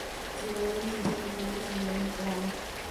Se graduó de Licenciado en leyes en León, Nicaragua.